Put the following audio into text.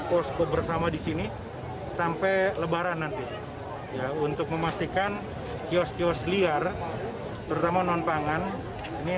posko bersama disini sampai lebaran nanti untuk memastikan kios kios liar terutama nonpangan ini